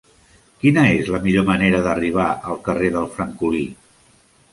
Quina és la millor manera d'arribar al carrer del Francolí?